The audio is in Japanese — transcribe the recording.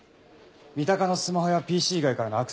三鷹のスマホやＰＣ以外からのアクセスはありません。